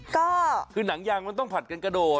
ก็คือหนังยางมันต้องผัดกันกระโดด